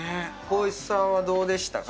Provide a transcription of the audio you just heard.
光一さんはどうでしたか？